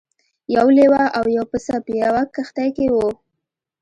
یو لیوه او یو پسه په یوه کښتۍ کې وو.